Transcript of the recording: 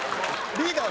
リーダー。